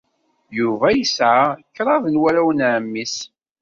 Yuba yesɛa kraḍ n warraw n ɛemmi-s.